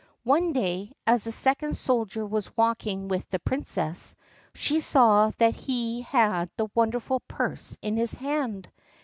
One day, as the second soldier was walking with the princess, she saw that he had the wonderful purse in his hand.